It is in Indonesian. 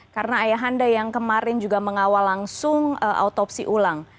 karena ayah anda yang kemarin juga mengawal langsung autopsi ulang